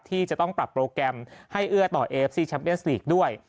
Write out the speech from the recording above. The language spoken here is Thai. ที่จะต้องปรับโปรแกรมให้เอื้อต่อเอฟซีแชมเยสลีกด้วย